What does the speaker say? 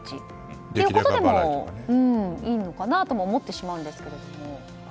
そういうことでもいいのかなと思ってしまうんですけども。